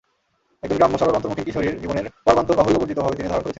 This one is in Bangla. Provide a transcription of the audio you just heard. একজন গ্রাম্য সরল অন্তর্মুখিন কিশোরীর জীবনের পর্বান্তর বাহুল্যবর্জিতভাবে তিনি ধারণ করেছেন।